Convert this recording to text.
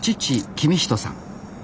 公人さん。